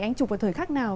anh chụp vào thời khắc nào